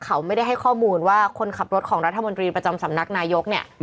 เขาไม่ได้ให้ข้อมูลว่าคนขับรถของรัฐมนตรีประจำสำนักนายกเนี่ย